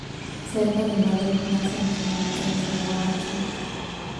Cerca de Madrid nacen los manantiales de Guaracha.